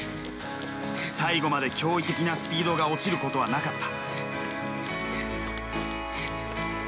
最後まで驚異的なスピードが落ちることはなかった。